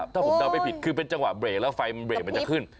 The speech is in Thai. ถ้าผมเดาไม่ผิดคือเป็นจังหวะเบรกแล้วไฟมันเบรกมันจะขึ้น